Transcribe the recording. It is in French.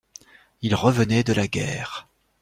Il revenait de la guerre.